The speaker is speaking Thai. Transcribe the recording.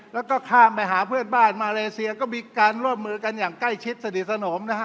แล้วก็ข้ามไปหาเพื่อนบ้านมาเลเซียก็มีการร่วมมือกันอย่างใกล้ชิดสนิทสนมนะฮะ